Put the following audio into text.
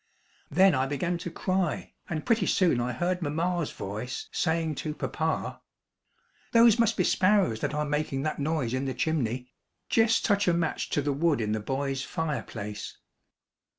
Then I began to cry, and pretty soon I heard mamma's voice saying to papa: "Those must be sparrers that are making that noise in the chimney. Jes' touch a match to the wood in the boys' fireplace."